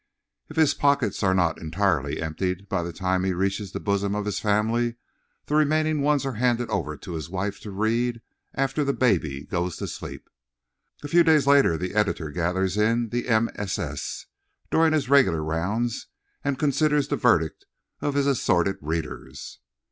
If his pockets are not entirely emptied by the time he reaches the bosom of his family the remaining ones are handed over to his wife to read after the baby goes to sleep. A few days later the editor gathers in the MSS. during his regular rounds and considers the verdict of his assorted readers.